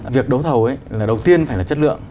việc đấu thầu là đầu tiên phải là chất lượng